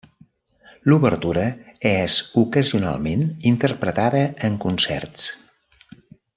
L'obertura és ocasionalment interpretada en concerts.